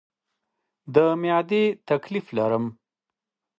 د معدې تکلیف لرم